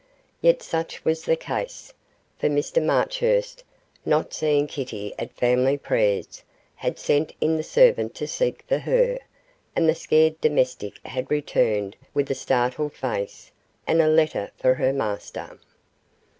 Yet such was the case, for Mr Marchurst, not seeing Kitty at family prayers, had sent in the servant to seek for her, and the scared domestic had returned with a startled face and a letter for her master.